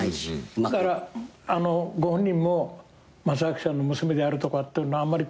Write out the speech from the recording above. だからご本人も正章さんの娘であるとかっていうのはあんまり。